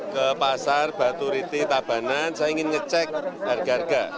ke pasar batu riti tabanan saya ingin ngecek harga harga